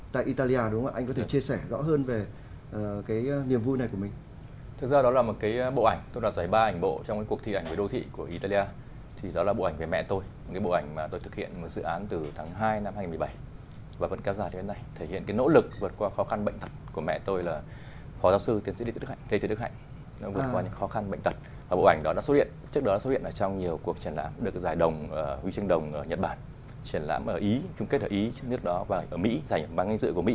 tại italia đúng không ạ anh có thể chia sẻ rõ hơn về niềm vui này của mình